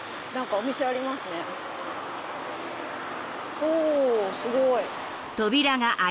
おすごい！